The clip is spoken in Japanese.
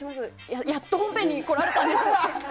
やっと本編に来られたんです。